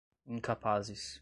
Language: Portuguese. incapazes